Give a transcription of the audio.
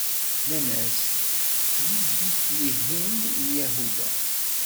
Nnan-as: Di Bit-Liḥim n Yahuda.